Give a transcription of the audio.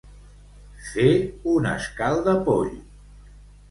Fer un escaldapoll.